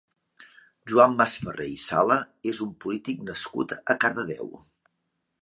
Joan Masferrer i Sala és un polític nascut a Cardedeu.